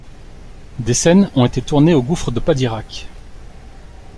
Des scènes ont été tournées au gouffre de Padirac.